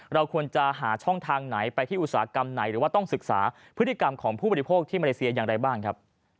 เราควรจะหาช่องทางไหนไปที่อุตสาหกรรมไหนหรือว่าต้องศึกษาพฤติกรรมของผู้บริโภคที่มาเลเซียอย่างไรบ้างครับ